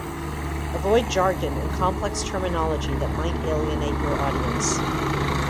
Avoid jargon and complex terminology that might alienate your audience.